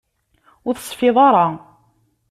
Ur tesfiḍ ara.